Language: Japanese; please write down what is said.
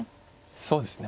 そうですね。